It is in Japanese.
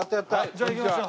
じゃあ行きましょう。